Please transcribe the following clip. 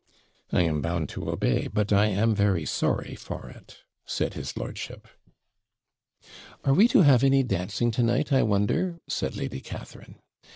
'I am bound to obey, but I am very sorry for it,' said his lordship. 'Are we to have any dancing to night, I wonder?' said Lady Catharine.